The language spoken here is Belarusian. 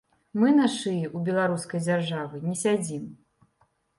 Мы на шыі ў беларускай дзяржавы не сядзім.